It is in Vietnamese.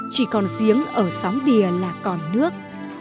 chỉ còn giếng ở sóng đìa là còn nước